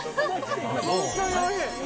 本当においしい。